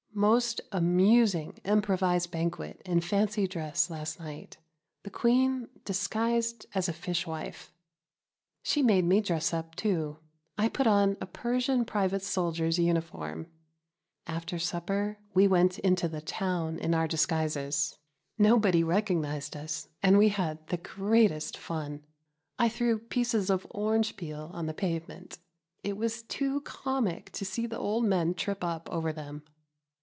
Most amusing improvised banquet in fancy dress last night. The Queen disguised as a fish wife. She made me dress up, too. I put on a Persian private soldier's uniform. After supper we went into the town, in our disguises. Nobody recognised us, and we had the greatest fun. I threw pieces of orange peel on the pavement. It was too comic to see the old men trip up over them.